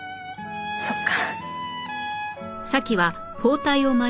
そっか。